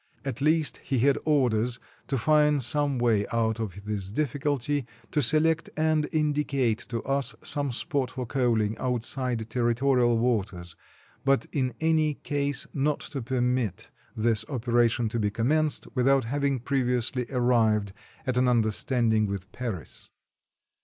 At least he had orders to find some way out of this difficulty, to select and indicate to us some spot for coaling outside territorial waters, but in any case not to permit this operation to be commenced, without having previously arrived at an understanding with Paris.